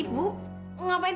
tante sadar tante